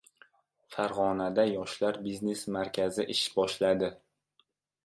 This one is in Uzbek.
Farg‘onada Yoshlar biznes markazi ish boshladi